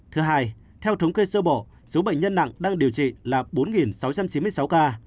thứ hai theo thống kê sơ bộ số bệnh nhân nặng đang điều trị là bốn sáu trăm chín mươi sáu ca